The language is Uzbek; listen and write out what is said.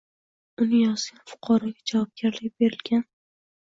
uni yozgan fuqaroga javobgarlik belgilanganmi?